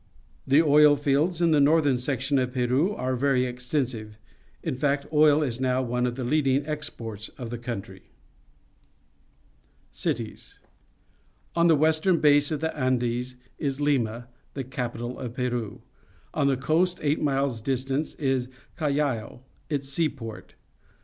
The oil fields in the northern section of Peru are very extensive; in fact, oil is now one of the leacUng exports of the country. Cities. — At the western base of the Andes is Lima, the capital of Peru. On the coast, eight miles distant, is Callao, its seaport.